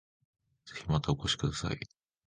ぜひまたお越しください